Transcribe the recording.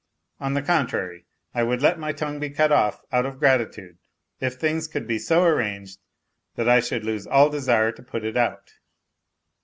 On the contrary, I would let my tongue be cut off out of gratitude if things could be so arranged that I should lose all desire to put it out.